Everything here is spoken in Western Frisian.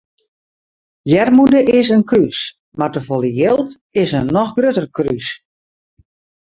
Earmoede is in krús mar te folle jild is in noch grutter krús.